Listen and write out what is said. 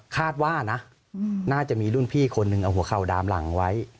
คาดว่านะน่าจะมีรุ่นพี่คนหนึ่งเอาหัวเข่าดามหลังไว้